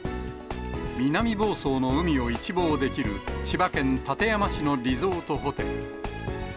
南房総の海を一望できる千葉県館山市のリゾートホテル。